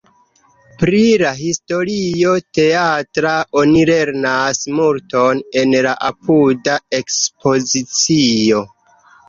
Pri la historio teatra oni lernas multon en la apuda ekspozicio.